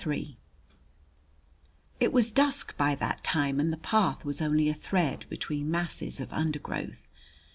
III It was dusk by that time and the path was only a thread between masses of undergrowth.